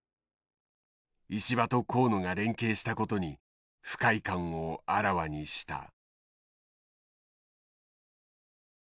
石破と河野が連携したことに不快感をあらわにした。